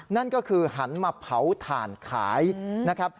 นั่นก็คือหันมาเผาถ่านขายนะครับ